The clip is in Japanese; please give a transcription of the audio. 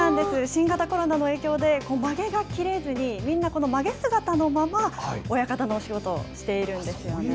新型コロナの影響で、まげが切れずに、みんなまげ姿のまま、親方のお仕事をしているんですよね。